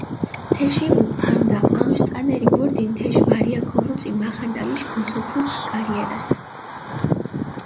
თეშენ იჸუ, ნამდა ამშვ წანერი ვორდინ თეშ ვარია ქოვუწი მახანტალიშ გოსოფურ კარიერას.